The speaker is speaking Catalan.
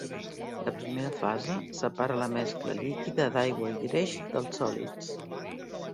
La primera fase separa la mescla líquida d"aigua i greix dels sòlids.